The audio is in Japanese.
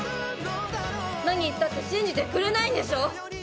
何言ったって信じてくれないんでしょ？